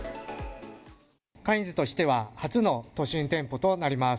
カインズとしては、初の都心店舗となります。